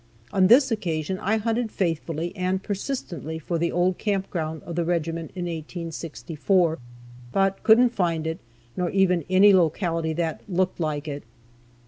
On this occasion I hunted faithfully and persistently for the old camp ground of the regiment in 1864, but couldn't find it, nor even any locality that looked like it.